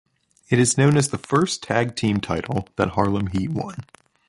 It is known as the first tag team title that Harlem Heat won.